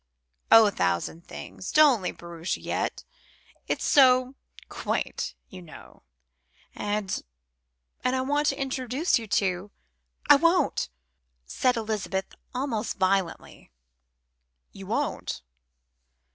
"Oh, a thousand things! Don't leave Bruges yet; it's so 'quaint,' you know; and and I want to introduce you to " "I won't," said Elizabeth almost violently. "You won't?"